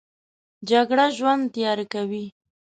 جګړه ژوند تیاره کوي